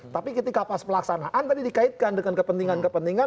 tapi ketika pas pelaksanaan tadi dikaitkan dengan kepentingan kepentingan